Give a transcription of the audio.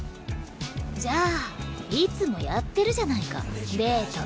じゃあいつもやってるじゃないかデート。